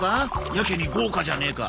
やけに豪華じゃねえか。